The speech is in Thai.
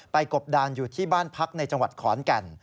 กบดานอยู่ที่บ้านพักในจังหวัดขอนแก่น